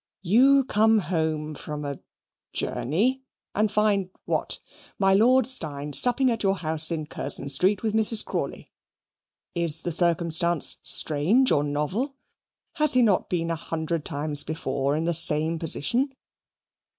You come home from a journey, and find what? my Lord Steyne supping at your house in Curzon Street with Mrs. Crawley. Is the circumstance strange or novel? Has he not been a hundred times before in the same position?